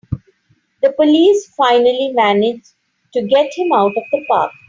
The police finally manage to get him out of the park!